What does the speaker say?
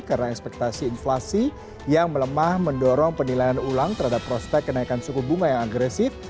karena ekspektasi inflasi yang melemah mendorong penilaian ulang terhadap prospek kenaikan suku bunga yang agresif